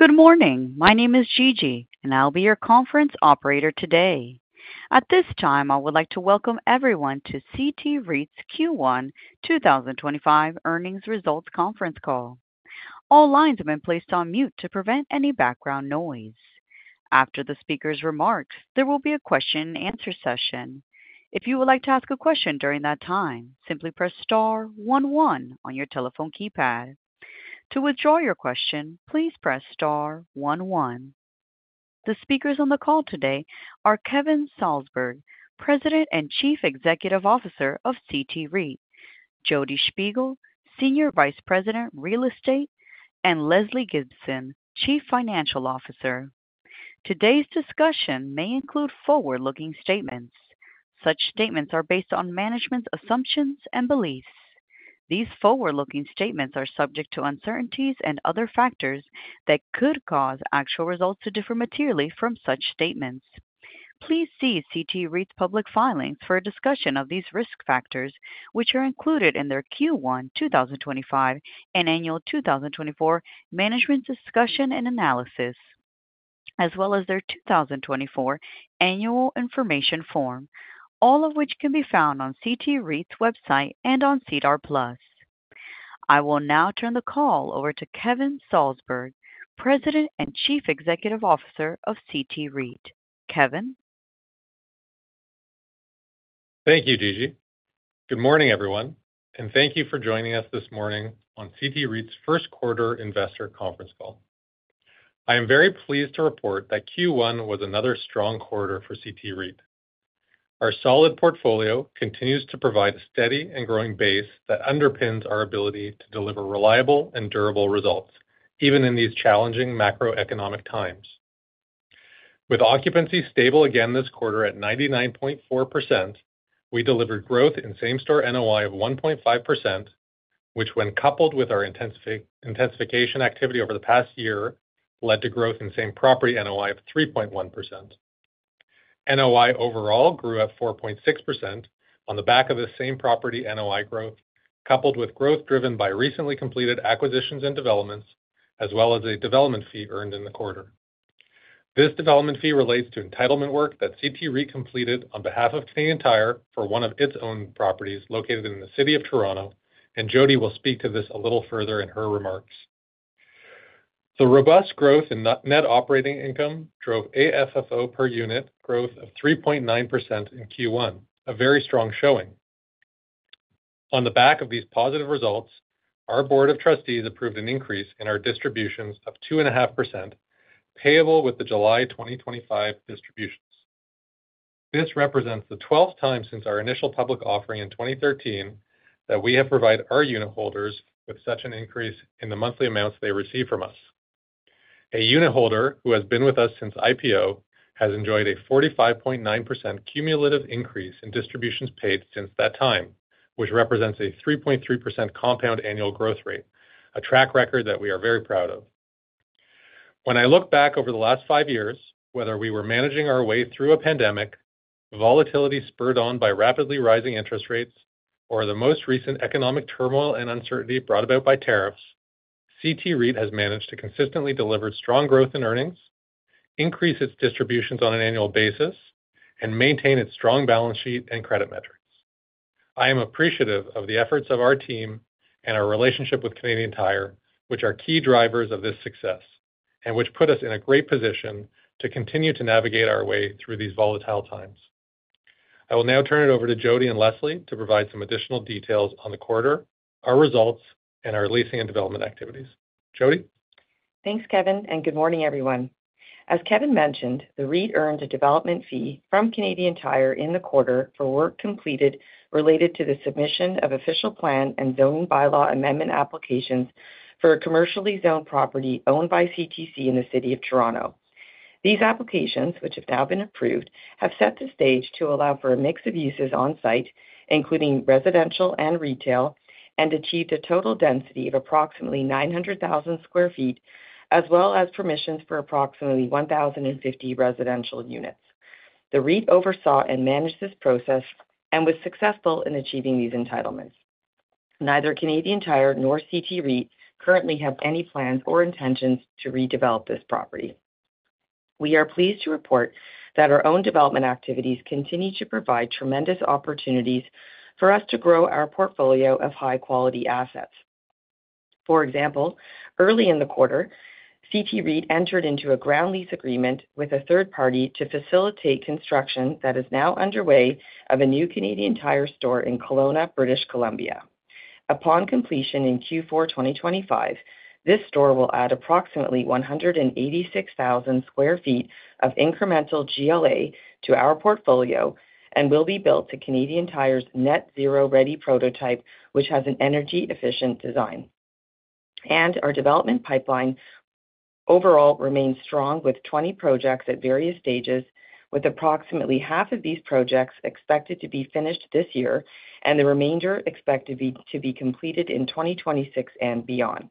Good morning. My name is Gigi, and I'll be your conference operator today. At this time, I would like to welcome everyone to CT REIT's Q1 2025 earnings results conference call. All lines have been placed on mute to prevent any background noise. After the speaker's remarks, there will be a question-and-answer session. If you would like to ask a question during that time, simply press star one one on your telephone keypad. To withdraw your question, please press star one one. The speakers on the call today are Kevin Salsberg, President and Chief Executive Officer of CT REIT; Jodi Schpigel, Senior Vice President, Real Estate; and Lesley Gibson, Chief Financial Officer. Today's discussion may include forward-looking statements. Such statements are based on management's assumptions and beliefs. These forward-looking statements are subject to uncertainties and other factors that could cause actual results to differ materially from such statements. Please see CT REIT's public filings for a discussion of these risk factors, which are included in their Q1 2025 and annual 2024 management discussion and analysis, as well as their 2024 annual information form, all of which can be found on CT REIT's website and on SEDAR+. I will now turn the call over to Kevin Salsberg, President and Chief Executive Officer of CT REIT. Kevin. Thank you, Gigi. Good morning, everyone, and thank you for joining us this morning on CT REIT's first quarter investor conference call. I am very pleased to report that Q1 was another strong quarter for CT REIT. Our solid portfolio continues to provide a steady and growing base that underpins our ability to deliver reliable and durable results, even in these challenging macroeconomic times. With occupancy stable again this quarter at 99.4%, we delivered growth in same-store NOI of 1.5%, which, when coupled with our intensification activity over the past year, led to growth in same-property NOI of 3.1%. NOI overall grew at 4.6% on the back of the same-property NOI growth, coupled with growth driven by recently completed acquisitions and developments, as well as a development fee earned in the quarter. This development fee relates to entitlement work that CT REIT completed on behalf of Canadian Tire for one of its own properties located in the city of Toronto, and Jodi will speak to this a little further in her remarks. The robust growth in net operating income drove AFFO per unit growth of 3.9% in Q1, a very strong showing. On the back of these positive results, our Board of Trustees approved an increase in our distributions of 2.5%, payable with the July 2025 distributions. This represents the 12th time since our initial public offering in 2013 that we have provided our unit holders with such an increase in the monthly amounts they receive from us. A unit holder who has been with us since IPO has enjoyed a 45.9% cumulative increase in distributions paid since that time, which represents a 3.3% compound annual growth rate, a track record that we are very proud of. When I look back over the last five years, whether we were managing our way through a pandemic, volatility spurred on by rapidly rising interest rates, or the most recent economic turmoil and uncertainty brought about by tariffs, CT REIT has managed to consistently deliver strong growth in earnings, increase its distributions on an annual basis, and maintain its strong balance sheet and credit metrics. I am appreciative of the efforts of our team and our relationship with Canadian Tire, which are key drivers of this success and which put us in a great position to continue to navigate our way through these volatile times. I will now turn it over to Jodi and Lesley to provide some additional details on the quarter, our results, and our leasing and development activities. Jodi. Thanks, Kevin, and good morning, everyone. As Kevin mentioned, the REIT earned a development fee from Canadian Tire in the quarter for work completed related to the submission of official plan and zoning bylaw amendment applications for a commercially zoned property owned by CTC in the city of Toronto. These applications, which have now been approved, have set the stage to allow for a mix of uses on-site, including residential and retail, and achieved a total density of approximately 900,000 sq ft, as well as permissions for approximately 1,050 residential units. The REIT oversaw and managed this process and was successful in achieving these entitlements. Neither Canadian Tire nor CT REIT currently have any plans or intentions to redevelop this property. We are pleased to report that our own development activities continue to provide tremendous opportunities for us to grow our portfolio of high-quality assets. For example, early in the quarter, CT REIT entered into a ground lease agreement with a third party to facilitate construction that is now underway of a new Canadian Tire store in Kelowna, British Columbia. Upon completion in Q4 2025, this store will add approximately 186,000 sq ft of incremental GLA to our portfolio and will be built to Canadian Tire's net-zero-ready prototype, which has an energy-efficient design. Our development pipeline overall remains strong, with 20 projects at various stages, with approximately half of these projects expected to be finished this year and the remainder expected to be completed in 2026 and beyond.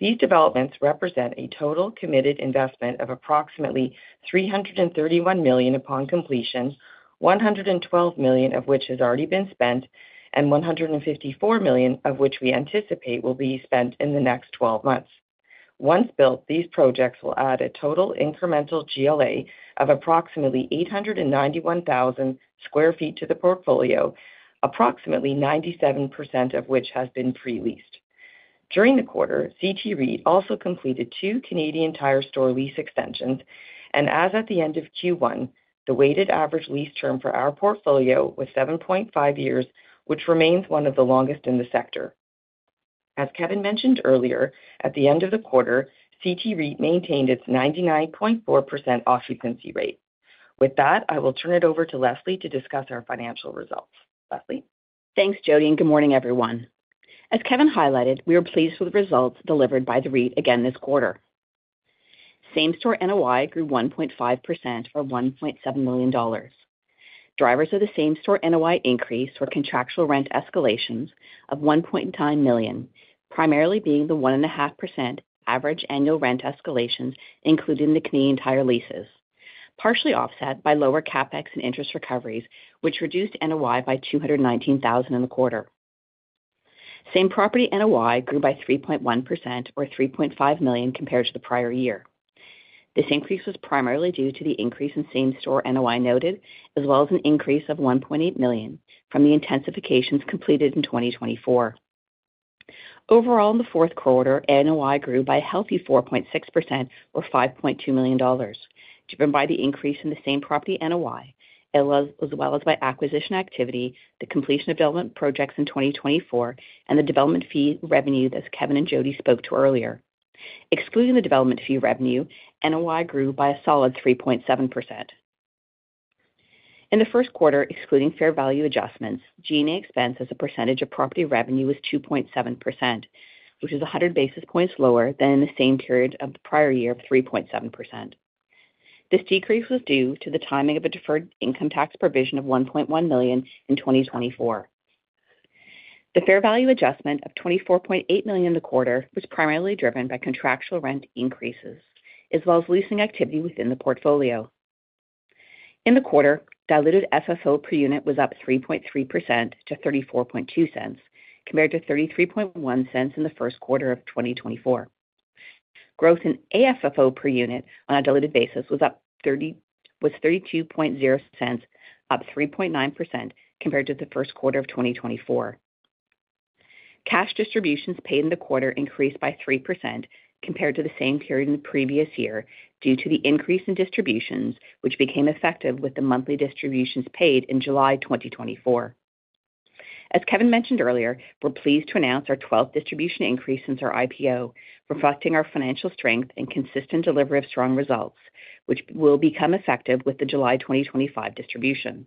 These developments represent a total committed investment of approximately 331 million upon completion, 112 million of which has already been spent, and 154 million of which we anticipate will be spent in the next 12 months. Once built, these projects will add a total incremental GLA of approximately 891,000 sq ft to the portfolio, approximately 97% of which has been pre-leased. During the quarter, CT REIT also completed two Canadian Tire store lease extensions, and as at the end of Q1, the weighted average lease term for our portfolio was 7.5 years, which remains one of the longest in the sector. As Kevin mentioned earlier, at the end of the quarter, CT REIT maintained its 99.4% occupancy rate. With that, I will turn it over to Lesley to discuss our financial results. Lesley. Thanks, Jodi, and good morning, everyone. As Kevin highlighted, we are pleased with the results delivered by the REIT again this quarter. Same-store NOI grew 1.5% for $1.7 million. Drivers of the same-store NOI increase were contractual rent escalations of $1.9 million, primarily being the 1.5% average annual rent escalations, including the Canadian Tire leases, partially offset by lower CapEx and interest recoveries, which reduced NOI by $219,000 in the quarter. Same-property NOI grew by 3.1%, or $3.5 million, compared to the prior year. This increase was primarily due to the increase in same-store NOI noted, as well as an increase of $1.8 million from the intensifications completed in 2024. Overall, in the fourth quarter, NOI grew by a healthy 4.6%, or $5.2 million, driven by the increase in the same-property NOI, as well as by acquisition activity, the completion of development projects in 2024, and the development fee revenue that Kevin and Jodi spoke to earlier. Excluding the development fee revenue, NOI grew by a solid 3.7%. In the first quarter, excluding fair value adjustments, G&A expense as a percentage of property revenue was 2.7%, which is 100 basis points lower than in the same period of the prior year of 3.7%. This decrease was due to the timing of a deferred income tax provision of $1.1 million in 2024. The fair value adjustment of $24.8 million in the quarter was primarily driven by contractual rent increases, as well as leasing activity within the portfolio. In the quarter, diluted FFO per unit was up 3.3% to $0.342, compared to $0.331 in the first quarter of 2024. Growth in AFFO per unit on a diluted basis was up $0.320, up 3.9% compared to the first quarter of 2024. Cash distributions paid in the quarter increased by 3% compared to the same period in the previous year due to the increase in distributions, which became effective with the monthly distributions paid in July 2024. As Kevin mentioned earlier, we're pleased to announce our 12th distribution increase since our IPO, reflecting our financial strength and consistent delivery of strong results, which will become effective with the July 2025 distribution.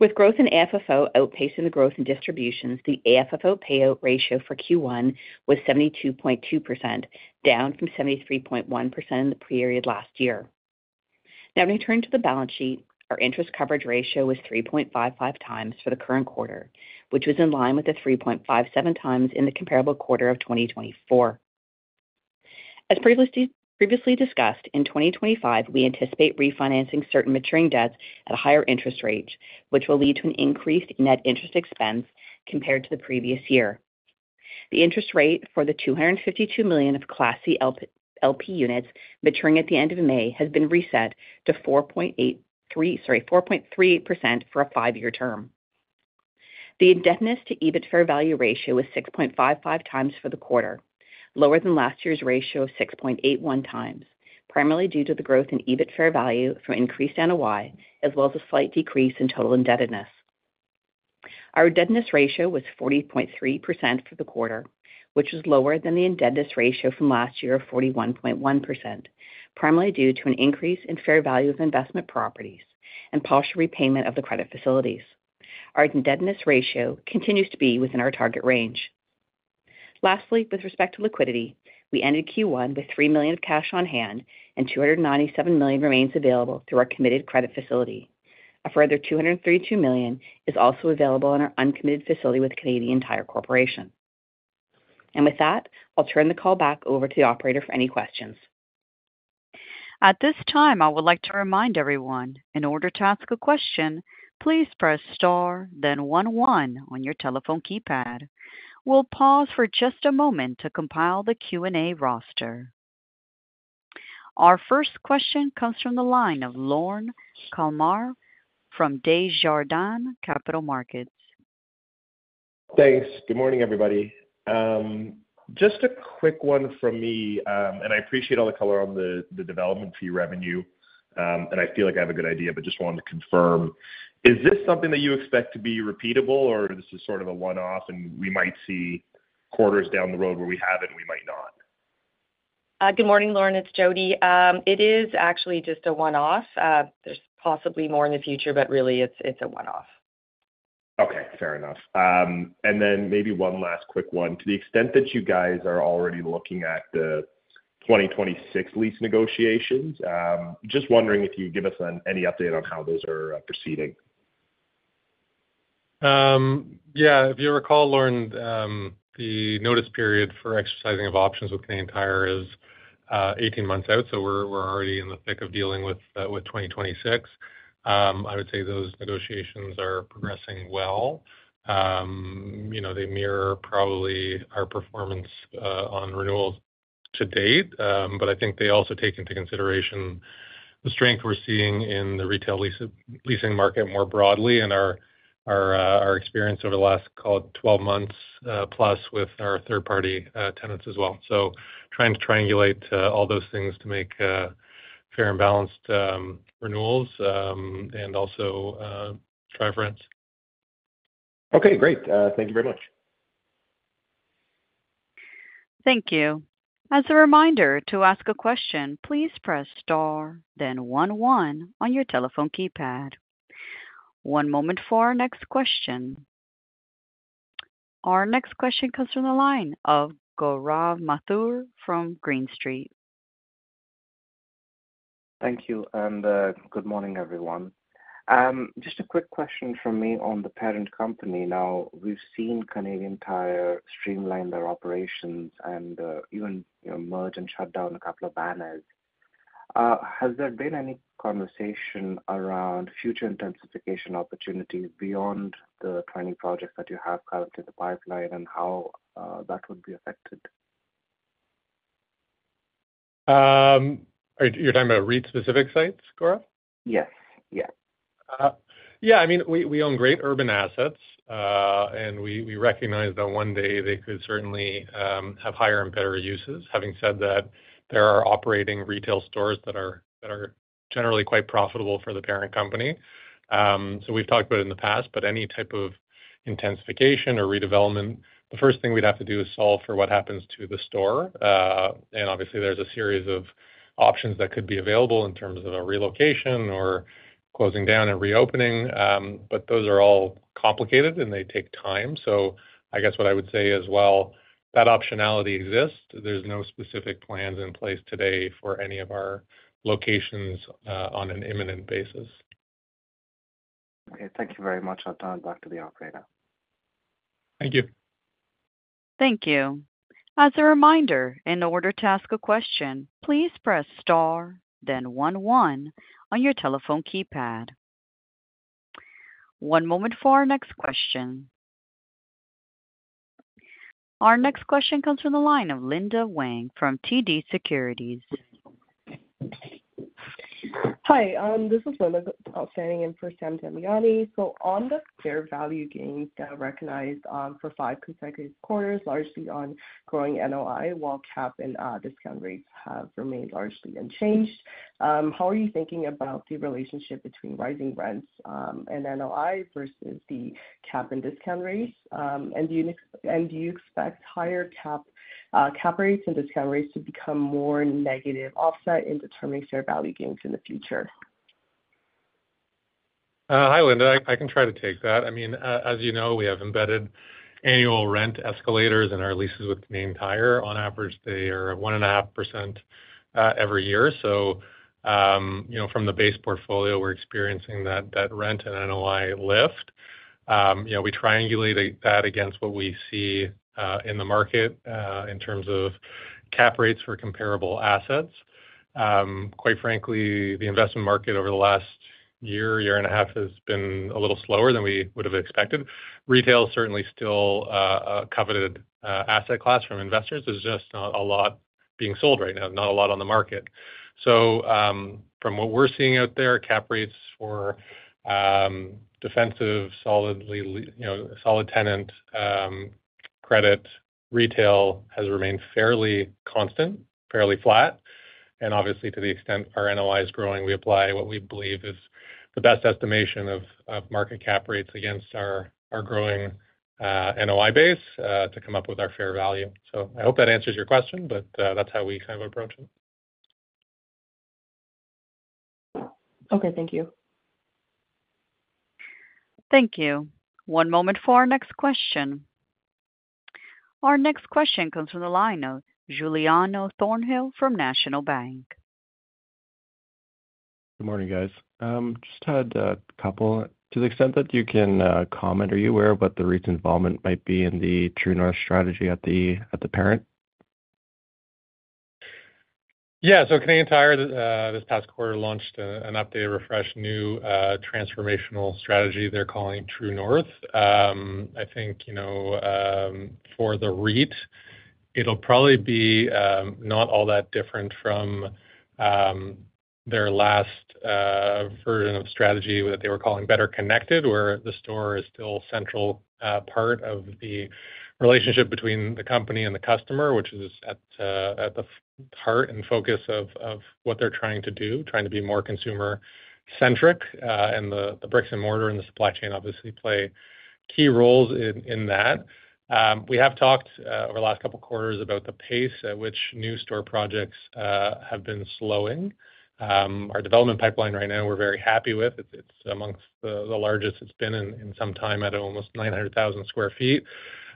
With growth in AFFO outpacing the growth in distributions, the AFFO payout ratio for Q1 was 72.2%, down from 73.1% in the prior year last year. Now, when we turn to the balance sheet, our interest coverage ratio was 3.55 times for the current quarter, which was in line with the 3.57 times in the comparable quarter of 2024. As previously discussed, in 2025, we anticipate refinancing certain maturing debts at a higher interest rate, which will lead to an increased net interest expense compared to the previous year. The interest rate for the 252 million of Class C LP units maturing at the end of May has been reset to 4.38% for a five-year term. The indebtedness to EBIT fair value ratio was 6.55 times for the quarter, lower than last year's ratio of 6.81 times, primarily due to the growth in EBIT fair value from increased NOI, as well as a slight decrease in total indebtedness. Our indebtedness ratio was 40.3% for the quarter, which was lower than the indebtedness ratio from last year of 41.1%, primarily due to an increase in fair value of investment properties and partial repayment of the credit facilities. Our indebtedness ratio continues to be within our target range. Lastly, with respect to liquidity, we ended Q1 with $3 million of cash on hand and $297 million remains available through our committed credit facility. A further $232 million is also available in our uncommitted facility with Canadian Tire Corporation. With that, I'll turn the call back over to the operator for any questions. At this time, I would like to remind everyone, in order to ask a question, please press star, then 1-1 on your telephone keypad. We'll pause for just a moment to compile the Q&A roster. Our first question comes from the line of Lorne Kalmar from Desjardins Capital Markets. Thanks. Good morning, everybody. Just a quick one from me, and I appreciate all the color on the development fee revenue, and I feel like I have a good idea, but just wanted to confirm. Is this something that you expect to be repeatable, or this is sort of a one-off, and we might see quarters down the road where we have it and we might not? Good morning, Lorne. It's Jodi. It is actually just a one-off. There's possibly more in the future, but really, it's a one-off. Okay. Fair enough. Maybe one last quick one. To the extent that you guys are already looking at the 2026 lease negotiations, just wondering if you could give us any update on how those are proceeding. Yeah. If you recall, Lorne, the notice period for exercising of options with Canadian Tire is 18 months out, so we're already in the thick of dealing with 2026. I would say those negotiations are progressing well. They mirror probably our performance on renewals to date, but I think they also take into consideration the strength we're seeing in the retail leasing market more broadly and our experience over the last, call it, 12 months plus with our third-party tenants as well. Trying to triangulate all those things to make fair and balanced renewals and also dry rents. Okay. Great. Thank you very much. Thank you. As a reminder, to ask a question, please press star, then 1-1 on your telephone keypad. One moment for our next question. Our next question comes from the line of Gaurav Mathur from Green Street. Thank you, and good morning, everyone. Just a quick question from me on the parent company. Now, we've seen Canadian Tire streamline their operations and even merge and shut down a couple of banners. Has there been any conversation around future intensification opportunities beyond the 20 projects that you have currently in the pipeline and how that would be affected? You're talking about REIT-specific sites, Gaurav? Yes. Yeah. Yeah. I mean, we own great urban assets, and we recognize that one day they could certainly have higher and better uses. Having said that, they are operating retail stores that are generally quite profitable for the parent company. We have talked about it in the past, but any type of intensification or redevelopment, the first thing we would have to do is solve for what happens to the store. Obviously, there is a series of options that could be available in terms of a relocation or closing down and reopening, but those are all complicated, and they take time. I guess what I would say as well is that optionality exists. There are no specific plans in place today for any of our locations on an imminent basis. Okay. Thank you very much. I'll turn it back to the operator. Thank you. Thank you. As a reminder, in order to ask a question, please press star, then 1-1 on your telephone keypad. One moment for our next question. Our next question comes from the line of Linda Wang from TD Securities. Hi. This is Linda. Outstanding in for Sam Tamayani. On the fair value gains that are recognized for five consecutive quarters, largely on growing NOI, while cap and discount rates have remained largely unchanged, how are you thinking about the relationship between rising rents and NOI versus the cap and discount rates? Do you expect higher cap rates and discount rates to become more negative offset in determining fair value gains in the future? Hi, Linda. I can try to take that. I mean, as you know, we have embedded annual rent escalators in our leases with Canadian Tire. On average, they are 1.5% every year. From the base portfolio, we're experiencing that rent and NOI lift. We triangulate that against what we see in the market in terms of cap rates for comparable assets. Quite frankly, the investment market over the last year, year and a half, has been a little slower than we would have expected. Retail is certainly still a coveted asset class from investors. There's just not a lot being sold right now, not a lot on the market. From what we're seeing out there, cap rates for defensive, solid tenant credit retail has remained fairly constant, fairly flat. Obviously, to the extent our NOI is growing, we apply what we believe is the best estimation of market cap rates against our growing NOI base to come up with our fair value. I hope that answers your question, but that's how we kind of approach it. Okay. Thank you. Thank you. One moment for our next question. Our next question comes from the line of Giuliano Thornhill from National Bank. Good morning, guys. Just had a couple. To the extent that you can comment, are you aware of what the REIT involvement might be in the True North strategy at the parent? Yeah. So Canadian Tire, this past quarter, launched an updated, refreshed, new transformational strategy they're calling True North. I think for the REIT, it'll probably be not all that different from their last version of strategy that they were calling Better Connected, where the store is still a central part of the relationship between the company and the customer, which is at the heart and focus of what they're trying to do, trying to be more consumer-centric. The bricks and mortar and the supply chain, obviously, play key roles in that. We have talked over the last couple of quarters about the pace at which new store projects have been slowing. Our development pipeline right now, we're very happy with. It's amongst the largest it's been in some time at almost 900,000 sq ft.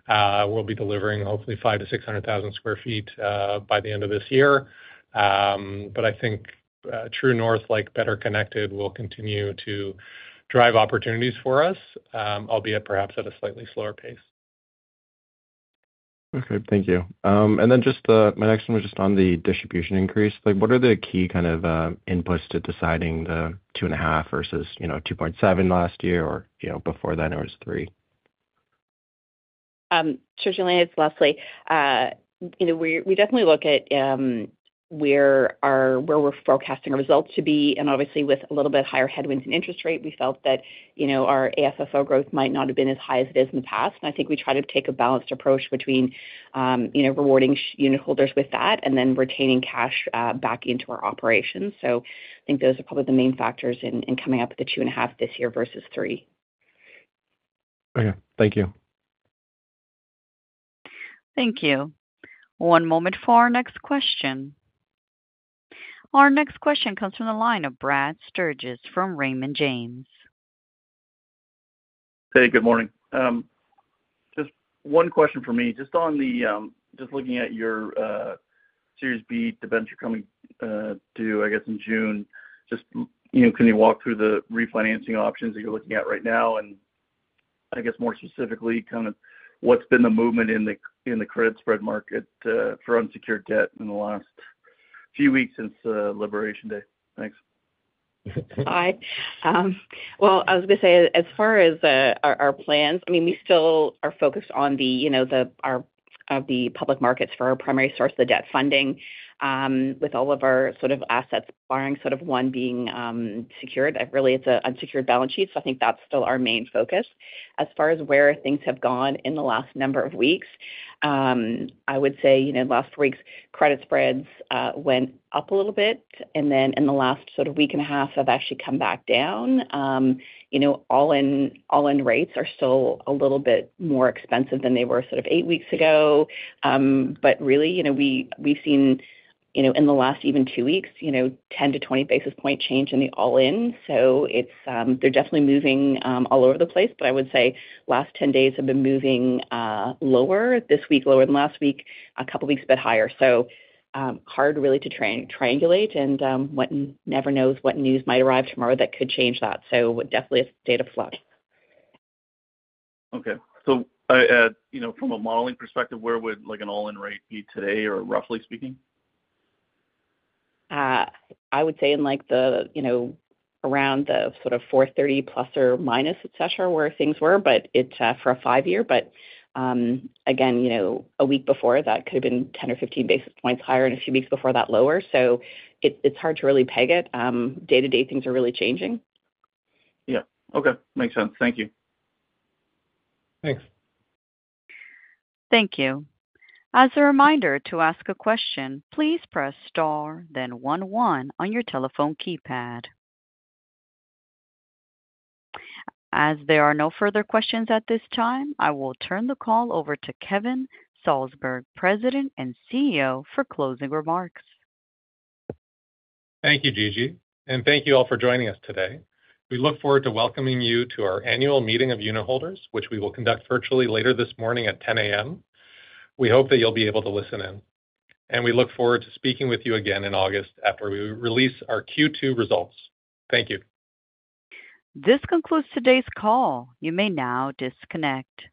We'll be delivering hopefully 500,000-600,000 sq ft by the end of this year. I think True North, like Better Connected, will continue to drive opportunities for us, albeit perhaps at a slightly slower pace. Okay. Thank you. Just my next one was just on the distribution increase. What are the key kind of inputs to deciding the 2.5% versus 2.7% last year, or before then it was 3%? Sure, Giuliano. It's Lesley. We definitely look at where we're forecasting our results to be. Obviously, with a little bit higher headwinds and interest rate, we felt that our AFFO growth might not have been as high as it is in the past. I think we try to take a balanced approach between rewarding unit holders with that and then retaining cash back into our operations. I think those are probably the main factors in coming up with the 2.5 this year versus 3. Okay. Thank you. Thank you. One moment for our next question. Our next question comes from the line of Brad Sturges from Raymond James. Hey, good morning. Just one question for me. Just looking at your Series B, the bench you're coming to, I guess, in June, just can you walk through the refinancing options that you're looking at right now? I guess more specifically, kind of what's been the movement in the credit spread market for unsecured debt in the last few weeks since Liberation Day? Thanks. Hi. I was going to say, as far as our plans, I mean, we still are focused on the public markets for our primary source of the debt funding with all of our sort of assets, barring sort of one being secured. Really, it is an unsecured balance sheet, so I think that is still our main focus. As far as where things have gone in the last number of weeks, I would say in the last four weeks, credit spreads went up a little bit, and then in the last sort of week and a half, have actually come back down. All-in rates are still a little bit more expensive than they were sort of eight weeks ago. Really, we have seen in the last even two weeks, 10-20 basis point change in the all-in. They're definitely moving all over the place, but I would say the last 10 days have been moving lower. This week, lower than last week, a couple of weeks, but higher. Hard really to triangulate, and never knows what news might arrive tomorrow that could change that. Definitely a state of flux. Okay. From a modeling perspective, where would an all-in rate be today, or roughly speaking? I would say in around the sort of 430-plus or minus, etc., where things were, but for a five-year. Again, a week before, that could have been 10 or 15 basis points higher, and a few weeks before that, lower. It is hard to really peg it. Day-to-day, things are really changing. Yeah. Okay. Makes sense. Thank you. Thanks. Thank you. As a reminder to ask a question, please press star, then 1-1 on your telephone keypad. As there are no further questions at this time, I will turn the call over to Kevin Salsberg, President and CEO, for closing remarks. Thank you, Gigi. Thank you all for joining us today. We look forward to welcoming you to our annual meeting of unit holders, which we will conduct virtually later this morning at 10:00 A.M. We hope that you'll be able to listen in. We look forward to speaking with you again in August after we release our Q2 results. Thank you. This concludes today's call. You may now disconnect.